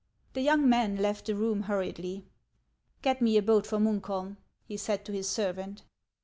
The young man left the room hurriedly. " Get me a boat for Munkholm," he said to his servant.